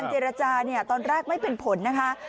เจรจาตอนแรกไม่เป็นผลนะคะ